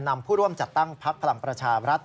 นำผู้ร่วมจัดตั้งภัร่ามประชารัฐ